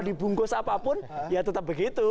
dibungkus apapun ya tetap begitu